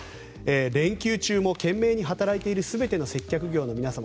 連休中も懸命に働いている全ての接客業の皆様